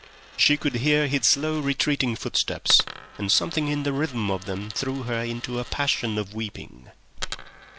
She could hear his slow retreating footsteps, and something in the rhythm of them threw her into a passion of weeping.